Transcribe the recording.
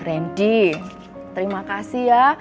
randy terima kasih ya